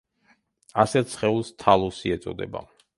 ასეთ სხეულს თალუსი ეწოდება.